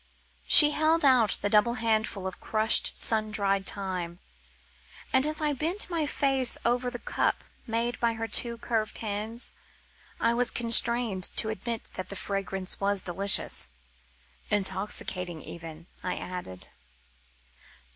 She held out the double handful of crushed sun dried thyme, and as I bent my face over the cup made by her two curved hands, I was constrained to admit that the fragrance was delicious. "Intoxicating even," I added.